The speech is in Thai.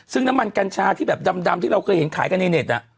ซึ่งน้ำมันกัญชาที่แบบดำที่เราเคยเห็นขายกันในเน็ต